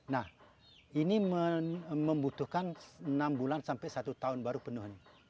nah ini membutuhkan enam bulan sampai satu tahun baru penuh